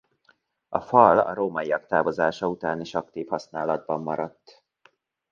A fal a rómaiak távozása után is aktív használatban maradt.